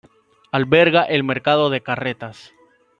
Alberga el Mercado de Carretas.